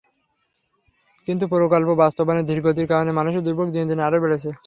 কিন্তু প্রকল্প বাস্তবায়নে ধীর গতির কারণে মানুষের দুর্ভোগ দিনে দিনে আরও বেড়েছে।